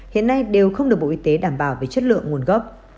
hiện nay đều không được bộ y tế đảm bảo về chất lượng nguồn gốc